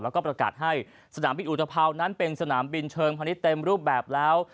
แล้วก็ประกาศให้สนามบินอุตภาวนั้นเป็นสนามบินเชิงพาณิชย์เต็มรูปแบบแล้ว